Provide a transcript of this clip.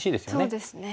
そうですね。